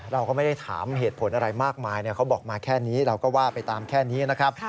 เราก็ไม่ได้ถามเหตุผลอะไรมากมายเขาบอกมาแค่นี้เราก็ว่าไปตามแค่นี้นะครับ